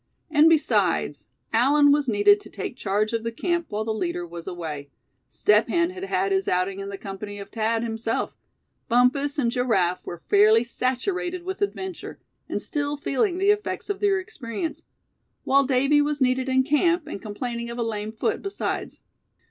And besides, Allan was needed to take charge of the camp while the leader was away, Step Hen had had his outing in the company of Thad, himself; Bumpus and Giraffe were fairly saturated with adventure, and still feeling the effects of their experience; while Davy was needed in camp, and complaining of a lame foot besides.